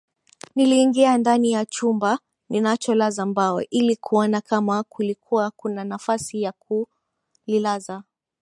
Niliingia ndani ya chumba ninacholaza mbao ili kuona kama kulikuwa kuna nafasi ya kulilaza